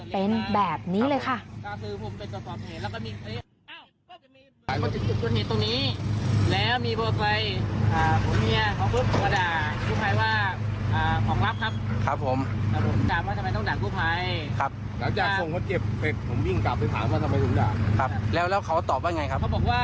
เป็นแบบนี้เลยค่ะ